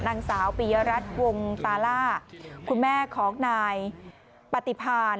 นางสาวปียรัฐวงตาล่าคุณแม่ของนายปฏิพาน